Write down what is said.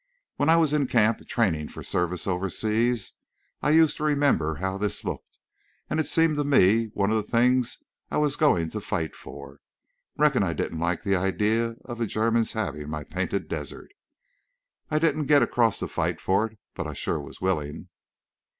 When I was in camp trainin' for service overseas I used to remember how this looked. An' it seemed one of the things I was goin' to fight for. Reckon I didn't the idea of the Germans havin' my Painted Desert. I didn't get across to fight for it, but I shore was willin'."